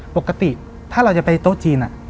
ปกติถ้าเราจะไปโต๊ะจีน